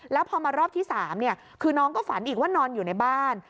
แล้วพอมารอบที่๓คือน้องก็ฝันอีกว่านอนอยู่ในบ้าน